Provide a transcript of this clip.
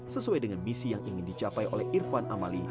sesuai dengan misi yang ingin dicapai oleh irfan amali